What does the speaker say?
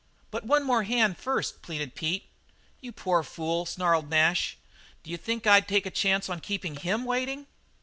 "But one more hand first," pleaded Pete. "You poor fool," snarled Nash, "d'you think I'll take a chance on keepin' him waiting?"